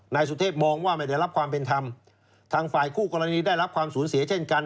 นายสุเทพมองว่าไม่ได้รับความเป็นธรรมทางฝ่ายคู่กรณีได้รับความสูญเสียเช่นกัน